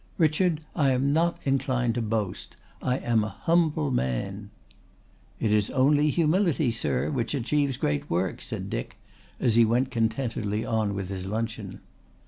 "Richard, I am not inclined to boast. I am a humble man." "It is only humility, sir, which achieves great work," said Dick, as he went contentedly on with his luncheon.